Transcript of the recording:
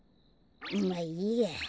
まあいいや。